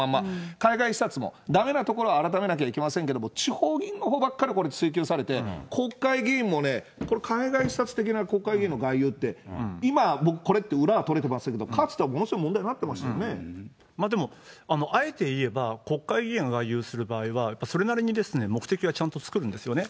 海外視察もだめなところは改めなきゃいけませんけど、地方議員のほうばっかり追及されて、国会議員もね、これ、海外視察的な国会議員の外遊って、今はこれって裏は取れてますけど、かつてはものでも、あえて言えば、国会議員が外遊する場合は、やっぱりそれなりに目的はちゃんと作るんですよね。